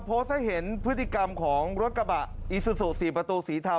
โพสต์ให้เห็นพฤติกรรมของรถกระบะอีซูซู๔ประตูสีเทา